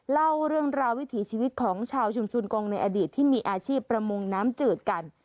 เล่าเรื่องราววิถีชีวิตของชาวชุมชนกงในอดีตที่มีอาชีพประมงน้ำจืดกัน